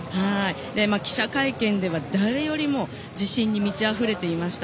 記者会見では、誰よりも自信に満ちあふれていました。